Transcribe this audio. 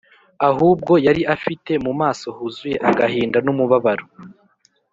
ahubwo yari afite mu maso huzuye agahinda n’umubabaro